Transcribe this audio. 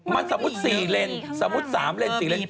มันสมมุติ๔เลนสมมุติ๓เลน๔เลน